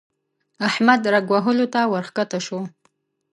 احمد رګ وهلو ته ورکښته شو.